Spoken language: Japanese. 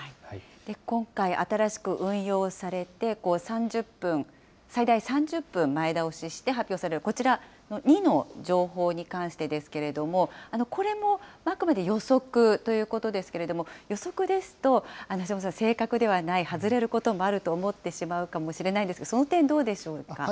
今回、新しく運用されて、最大３０分前倒しして発表される、こちらの２の情報に関してですけれども、これもあくまで予測ということですけれども、予測ですと、橋本さん、正確ではない、外れることもあると思ってしまうかもしれないんですが、その点どうでしょうか。